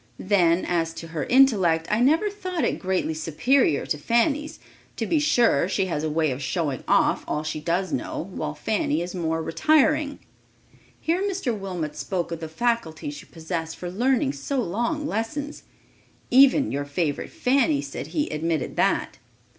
Then, as to her intellect, I never thought it greatly superior to Fanny's. To be sure, she has a way of showing off all she does know, while Fanny is more retiring." Here Mr. Wilmot spoke of the faculty she possessed for learning so long lessons. "Even your favorite Fanny," said he, "admitted that."